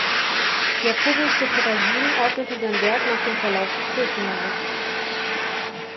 Jacobus de Voragine ordnete sein Werk nach dem Verlauf des Kirchenjahres.